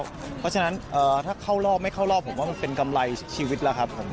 เพราะฉะนั้นถ้าเข้ารอบไม่เข้ารอบผมว่ามันเป็นกำไรชีวิตแล้วครับผม